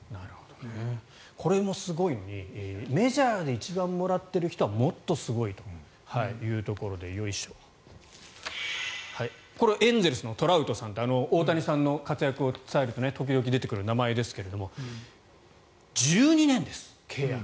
これもすごいのにメジャーで一番もらっている人はもっとすごいというところでこれはエンゼルスのトラウトさん大谷さんの活躍を伝えると時々出てくる名前ですが１２年です、契約。